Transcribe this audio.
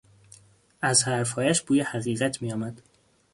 از حرفهایش بوی حقیقت میآمد.